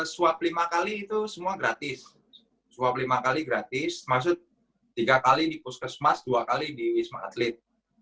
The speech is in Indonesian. swab lima kali itu semua gratis swab lima kali gratis maksud tiga kali di puskesmas dua kali di wisma atlet